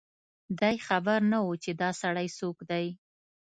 دی خبر نه و چي دا سړی څوک دی